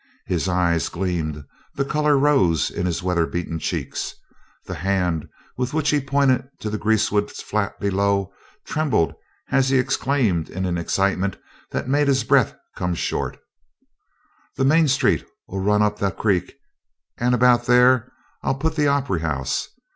His eyes gleamed, the color rose in his weather beaten cheeks, the hand with which he pointed to the greasewood flat below trembled as he exclaimed in an excitement that made his breath come short: "The main street'll run up the creek and about there I'll put the Op'ry House.